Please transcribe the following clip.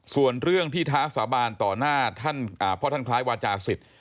ส่วนเรื่องที่ท้าสาบานต่อหน้าท่านพ่อท่านคล้ายวาจาศิษย์